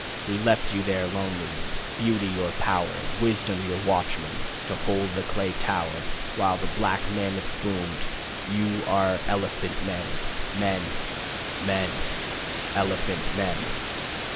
We left you there, lonely, Beauty your power, Wisdom your watchman, To hold the clay tower. While the black mammoths boomed "You are elephant men, Men, Men, Elephant men."